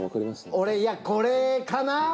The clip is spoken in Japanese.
俺いやこれかな？